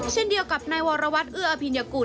เช่นเดียวกับในวรวรรศเอ๊ยวอพีณะกุล